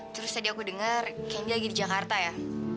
tadi aku dengar candy lagi di jakarta ya